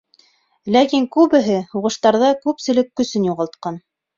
Ләкин күбеһе һуғыштарҙа күпселек көсөн юғалтҡан.